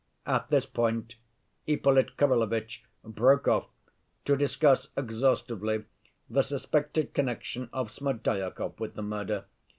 At this point Ippolit Kirillovitch broke off to discuss exhaustively the suspected connection of Smerdyakov with the murder.